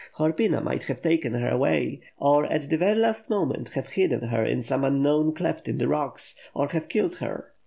Horpyna might have taken her away, or, at the last moment, have hidden her in some unknown cleft in the rocks, or have killed her.